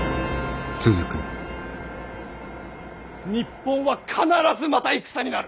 日本は必ずまた戦になる。